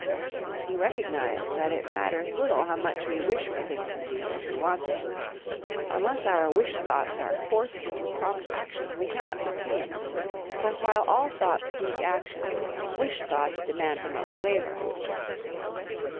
" He recognized that it matters little how much we wish for things to be as we want them; unless our wish thoughts are forced into prompt action we cannot succeed; for while all thoughts seek action, wish thoughts demand the most labor.